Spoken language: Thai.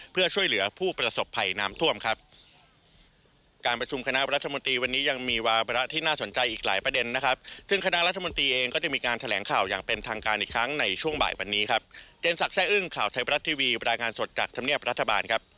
เพื่อช่วยเหลือผู้ประสบภัยน้ำท่วมครับ